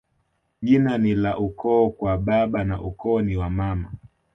Jina ni la ukoo wa baba na ukoo ni wa mama